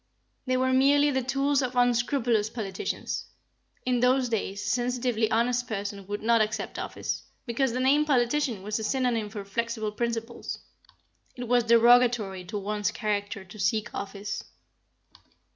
They were merely the tools of unscrupulous politicians. In those days a sensitively honest person would not accept office, because the name politician was a synonym for flexible principles. It was derogatory to one's character to seek office."